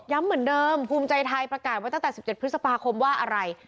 เหมือนเดิมภูมิใจไทยประกาศไว้ตั้งแต่๑๗พฤษภาคมว่าอะไร